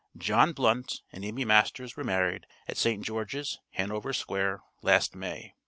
John Blunt and Amy Masters were married at St. George's, Hanover Square, last May.